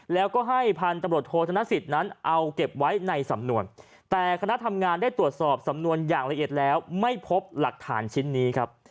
แล้วก็ให้พันธุ์ตำรวจโทษธนสิทธิ์นั้นเอาเก็บไว้ในสำนวนแต่คณะทำงานได้ตรวจสอบสำนวนอย่างละเอียดแล้วไม่พบหลักฐานชิ้นนี้ครับ